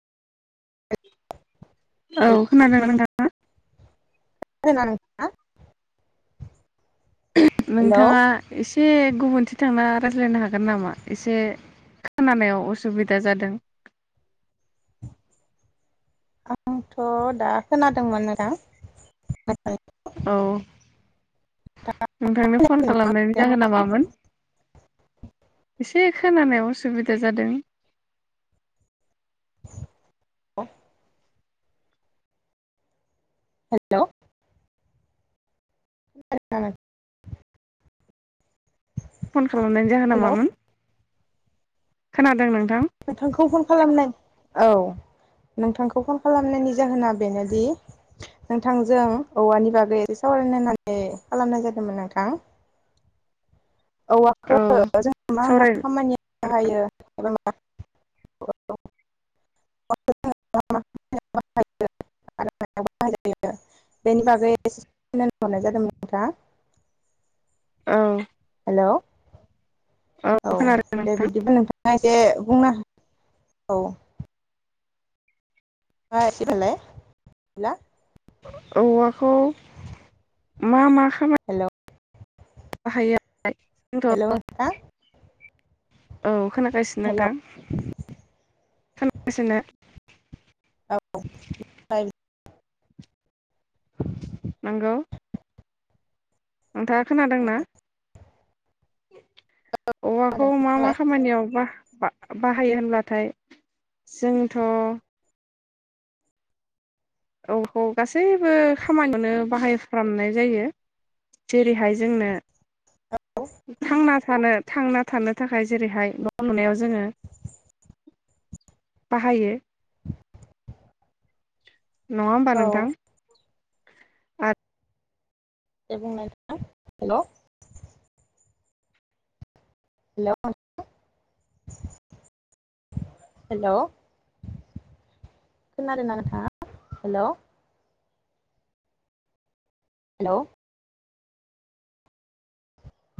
औ हेल' खोनादों ना नोंथाङा? [unintelligible] हेलौ नोंथाङा एसे एसे गुबुनथिं थांना रायज्लायनो हागोन नामा एसे खोनानायाव असुबिदा जादों। आंथ दा खोनादोंमोन ना दा। औ। नोंथांनो फन खालामनायनि जाहोना मामोन? एसे खोनानायाव उसुबिदा जादों। [inaudible] हेलौ [inaudible] [inaudible] फन खालामनायनि जाहोना हेलौ मामोन? खोनादों नोंथां। नोंथांखौ फन खालामनायनि औ नोंथांखौ फन खालामनायनि जाहोना बेनोदि नोंथांजों औवानि बागै एसे सावरायनो होननानै खालामनाय जादोंमोन नोंथां। औवाखो औ जों मा मा सावराय खामानि बाहायोबा [inaudible] बेनि बागै [inaudible] सिनो हरनाय जादोंमोन नोंथाङ [inaudible] औ। हेलौ। औ खोनादों दे नोंथां बिदिबा नोंथां। से बुंनो ह औ [inaudible] म एसि फलाय [inaudible] औवाखौ मा मा हेलौ। [inaudible] बाहाया हेल' नोंथां [inaudible] [inaudible] औ। खोनागासिनो हेल' नोंथां। खोना गा [inaudible] सिनो औ [inaudible] नंगौ। नोंथाङा खोनादोंना औवाखौ मा- मा खामानियाव बाहाय। बाहायो होनब्लाथाय जोंथ'। औवा खौ गासैबो खामानियावनो बाहायफ्रामनाय जायो जेरैहाय जोंनो। थांना। थानो थांना थानो थाखाय जेरैहाय न' लुनायाव जोङो बाहायो। नङा होमबा औ नोंथां। आरो दे बुंलाय हेलौ। हेल' हेल' खोनादों ना नोंथांआ हेल' हेलौ।